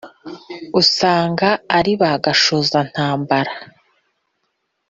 usanga ari ba gashozantambara